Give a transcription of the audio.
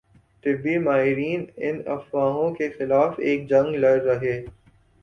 طبی ماہرین ان افواہوں کے خلاف ایک جنگ لڑ رہے